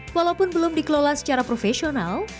walaupun belum dikelola secara profesional